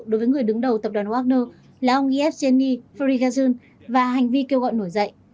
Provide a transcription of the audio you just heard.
đối với người đứng đầu tập đoàn wagner là ông yevgeny feregazin và hành vi kêu gọi nổi dậy